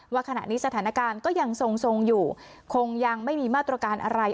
ว่าขณะนี้สถานการณ์ก็ยังทรงอยู่คงยังไม่มีมาตรการอะไร